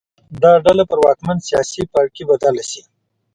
دا ډله پر واکمن سیاسي پاړکي بدله شي